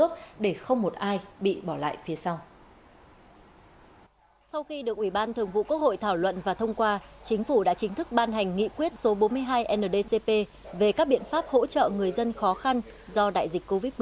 chính phủ đã chính thức ban hành nghị quyết số bốn mươi hai ndcp về các biện pháp hỗ trợ người dân khó khăn do đại dịch covid một mươi chín